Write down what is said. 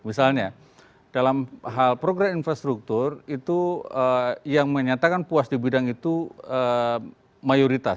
misalnya dalam hal program infrastruktur itu yang menyatakan puas di bidang itu mayoritas